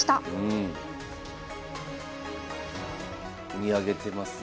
見上げてますね